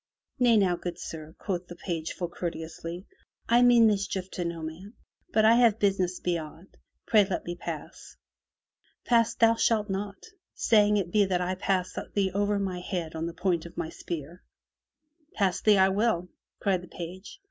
"Nay now, good sir," quoth the page full courteously. " I mean mischief to no man, but I have business beyond. Pray let me pass." "Pass thou shalt not, saving it be that I pass thee over my head on the point of my sword!" "Pass then I will," cried the page.